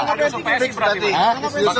masuk psi berarti